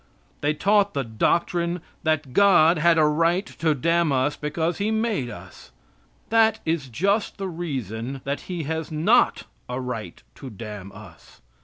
They taught the doctrine that God had a right to damn us because He made us. That is just the reason that He has not a right to damn us.